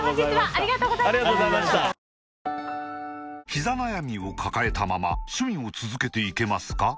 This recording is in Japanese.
ひざ悩みを抱えたまま趣味を続けていけますか？